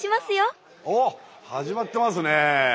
おっ始まってますね。